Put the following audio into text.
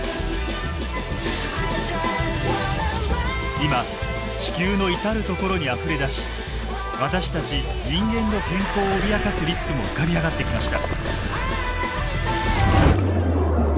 今地球の至る所にあふれ出し私たち人間の健康を脅かすリスクも浮かび上がってきました。